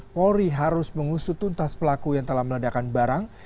polri harus mengusut tuntas pelaku yang telah meledakan barang